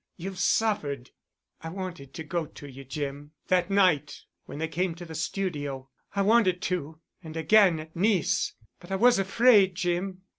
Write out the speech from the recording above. You've suffered——" "I wanted to go to you, Jim—that night when they came to the studio. I wanted to—and again at Nice. But I was afraid, Jim."